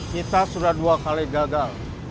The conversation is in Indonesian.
kita sudah dua kali gagal